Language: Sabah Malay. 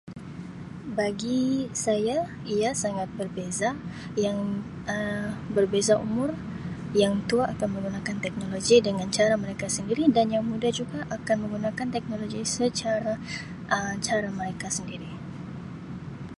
Bagi saya ia sangat berbeza yang Um berbeza umur yang tua akan menggunakan teknologi dengan cara mereka sendiri dan yang muda juga akan menggunakan teknologi secara Um cara mereka sendiri.